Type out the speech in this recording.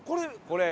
これ。